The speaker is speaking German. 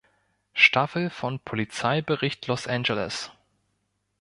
Staffel von "Polizeibericht Los Angeles".